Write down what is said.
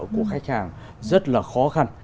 của khách hàng rất là khó khăn